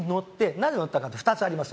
なぜ乗ったかというと２つあります。